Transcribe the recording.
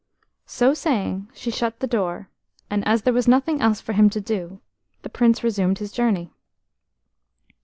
So saying, she shut the door, and as there was nothing else for him to do, the Prince resumed his journey.